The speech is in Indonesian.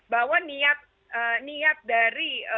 bahwa niat dari